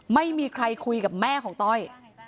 ไม่มีใครคุยกับแม่ของต้อย